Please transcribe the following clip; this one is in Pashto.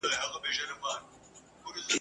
او د خلکو ټول ژوندون په توکل وو ..